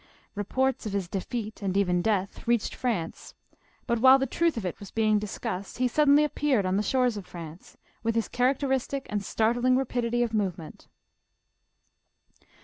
Reports of his defeat, and even death, reached France, but while the truth of it was being discussed, he suddenly appeared on the shores of France, with his characteristic and startling rapidity of move ment.